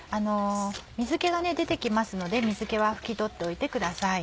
水気が出て来ますので水気は拭き取っておいてください。